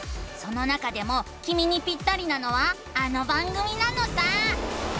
その中でもきみにピッタリなのはあの番組なのさ！